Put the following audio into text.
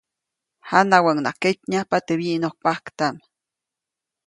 Janawäʼuŋnaʼajk ketnyajpa teʼ wyiʼnokpaktaʼm.